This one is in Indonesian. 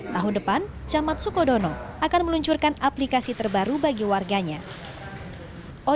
tahun depan camat sukodono akan meluncurkan aplikasi terbaru bagi warga desa sukodono